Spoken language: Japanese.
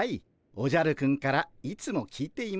おじゃるくんからいつも聞いています。